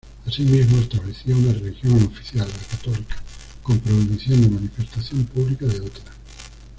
Asimismo, establecía una religión oficial, la católica, con prohibición de manifestación pública de otras.